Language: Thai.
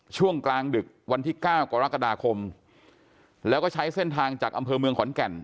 ช่วงกลางดึกวันที่เก้ากรกฎาคมแล้วก็ใช้เส้นทางจากอำเภอเมืองขอนแก่น